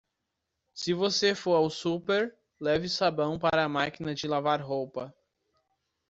Se você for ao super, leve sabão para a máquina de lavar roupa.